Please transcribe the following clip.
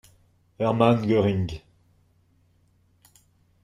Hermann Göring.